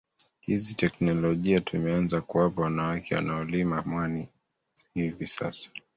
Hizi tekinolojia tumeanza kuwapa wanawake wanaolima mwani hivi sasa